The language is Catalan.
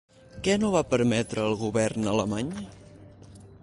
Què no va permetre el govern alemany?